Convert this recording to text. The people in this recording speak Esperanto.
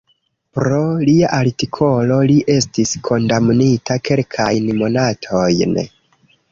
Pro lia artikolo li estis kondamnita kelkajn monatojn.